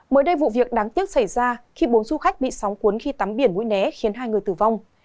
mới đây vụ việc đáng tiếc xảy ra khi bốn du khách bị sóng cuốn khi tắm biển mũi né khiến hai người tử vong